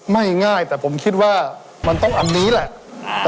ง่ายแต่ผมคิดว่ามันต้องอันนี้แหละ